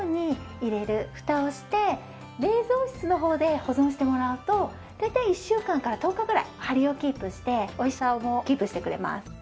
フタをして冷蔵室の方で保存してもらうと大体１週間から１０日ぐらいハリをキープして美味しさもキープしてくれます。